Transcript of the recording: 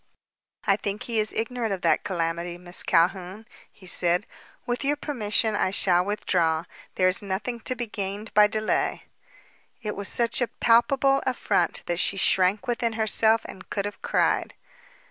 "I think he is ignorant of that calamity, Miss Calhoun," he said. "With your permission, I shall withdraw. There is nothing to be gained by delay." It was such a palpable affront that she shrank within herself and could have cried.